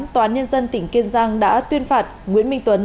tòa án nhân dân tỉnh kiên giang đã tuyên phạt nguyễn minh tuấn